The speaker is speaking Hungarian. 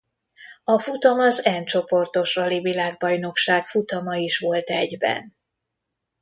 A futam az N csoportos rali-világbajnokság futama is volt egyben.